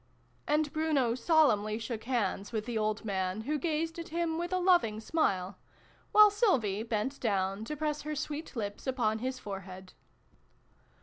" And Bruno solemnly shook hands with the old man, who gazed at him with a loving smile, while Sylvie bent down to press her sweet lips upon his forehead.